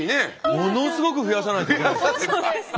ものすごく増やさないといけないです。